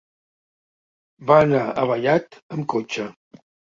Va anar a Vallat amb cotxe.